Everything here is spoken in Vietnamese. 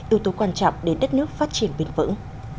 ưu tố quan trọng để đất nước phát triển bền vững